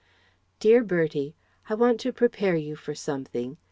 DEAR BERTIE I want to prepare you for something.